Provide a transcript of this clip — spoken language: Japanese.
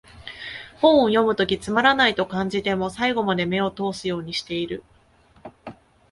本を読むときつまらないと感じても、最後まで目を通すようにしてる